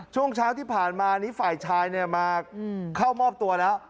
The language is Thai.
ช่วงเช้าที่ผ่านมานี้ฝ่ายชายมาเข้ามอบตัวแล้ว